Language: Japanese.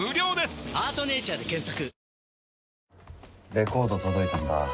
レコード届いたんだ